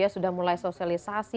sudah mulai sosialisasi